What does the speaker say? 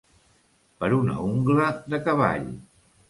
Per una ungla de cavall.